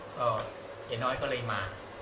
ก็เจ๊น้อยก็เลยมา